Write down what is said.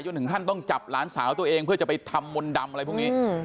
ถึงขั้นต้องจับหลานสาวตัวเองเพื่อจะไปทำมนต์ดำอะไรพวกนี้